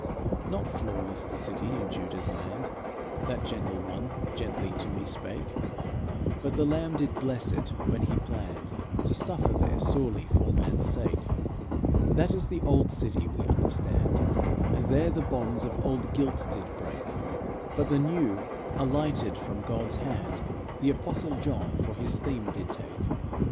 "Not flawless the city in Juda's land," That gentle one gently to me spake, "But the Lamb did bless it when He planned To suffer there sorely for man's sake. That is the old city we understand, And there the bonds of old guilt did break; But the new, alighted from God's hand, The Apostle John for his theme did take.